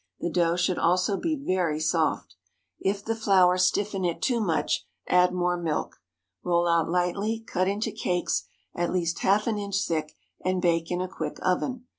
The dough should also be very soft. If the flour stiffen it too much, add more milk. Roll out lightly, cut into cakes at least half an inch thick, and bake in a quick oven.